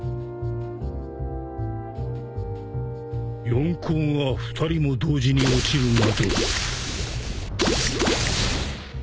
四皇が２人も同時に落ちるなど。